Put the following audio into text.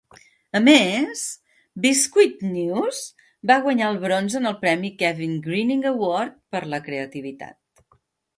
A més, Biscuit News va guanyar el bronze en el premi Kevin Greening Award per la creativitat.